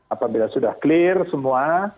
apabila sudah clear semua